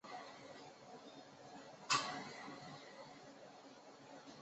该种细胞是否存在于人体内仍在研究当中。